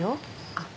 あっ。